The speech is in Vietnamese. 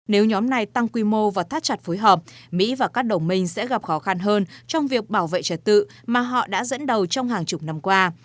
nếu nhóm này tăng quy mô và thắt chặt phối hợp mỹ và các đồng minh sẽ gặp khó khăn hơn trong việc bảo vệ trẻ tự mà họ đã dẫn đầu trong hàng chục năm qua